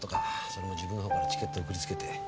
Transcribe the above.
それも自分の方からチケット送りつけて。